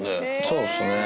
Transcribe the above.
そうですね。